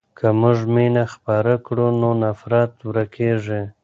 که موږ مینه خپره کړو نو نفرت ورکېږي.